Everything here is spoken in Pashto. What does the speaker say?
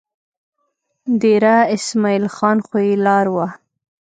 دېره اسمعیل خان خو یې لار وه.